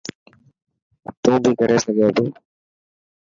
تون بي ڪري سگهي ٿو.